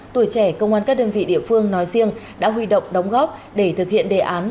tuổi trẻ công an các đơn vị địa phương nói riêng đã huy động đóng góp để thực hiện đề án